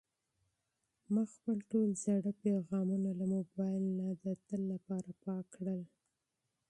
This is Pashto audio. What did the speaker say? ما خپل ټول زاړه پیغامونه له موبایل نه د تل لپاره پاک کړل.